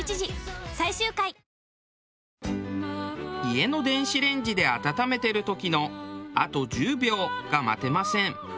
家の電子レンジで温めてる時の「あと１０秒」が待てません。